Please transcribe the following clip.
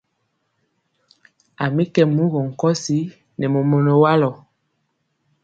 A mi kɛ mugɔ nkɔsi nɛ mɔmɔnɔ walɔ.